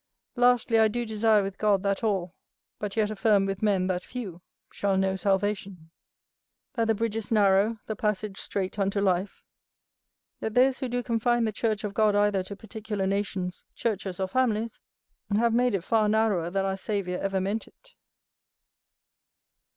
Lastly, I do desire with God that all, but yet affirm with men that few, shall know salvation, that the bridge is narrow, the passage strait unto life: yet those who do confine the church of God either to particular nations, churches, or families, have made it far narrower than our Saviour ever meant it.